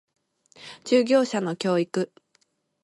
従業者の教育